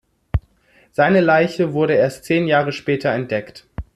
Seine Leiche wurde erst zehn Jahre später entdeckt.